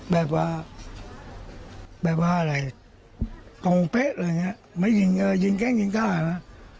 แบบว่าแบบว่าอะไรกงเป๊ะอะไรอย่างนี้ไม่ยิงเออยิงแกล้งยิงฆ่านะ